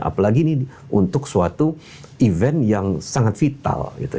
apalagi ini untuk suatu event yang sangat vital gitu